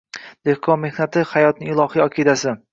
Dehqon mehnati hayotning ilohiy aqidasi.